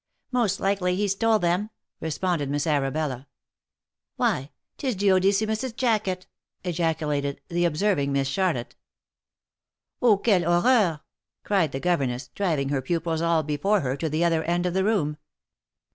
" Most likely he stole them," responded Miss Arabella. " Why 'tis Duodecimus's jacket !" ejaculated the observing Miss Charlotte. " Oh ! quelle horreur !" cried the governess driving her pupils all before her to the other end of the room.